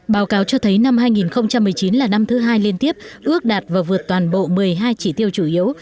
báo cáo cho thấy năm hai nghìn một mươi chín là năm thứ hai liên tiếp ước đạt và vượt toàn bộ một mươi hai chỉ tiêu chủ yếu